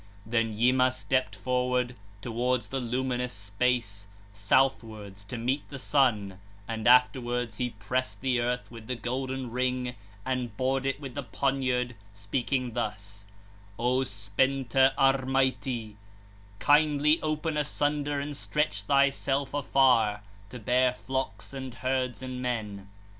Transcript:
10. Then Yima stepped forward, towards the luminous space, southwards, to meet the sun 1, and (afterwards) he pressed the earth with the golden ring, and bored it with the poniard, speaking thus: 'O Spenta Ârmaiti 2, kindly open asunder and stretch thyself afar, to bear flocks and herds and men.'